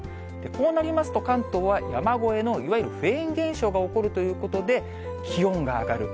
こうなりますと、関東は山越えのいわゆるフェーン現象が起こるということで、気温が上がる。